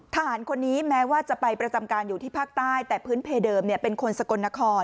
ทหารคนนี้แม้ว่าจะไปประจำการอยู่ที่ภาคใต้แต่พื้นเพเดิมเป็นคนสกลนคร